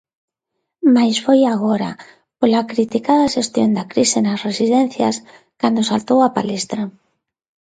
Mais foi agora, pola criticada xestión da crise nas residencias, cando saltou á palestra.